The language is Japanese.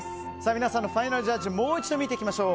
皆さんのファイナルジャッジもう一度見ていきましょう。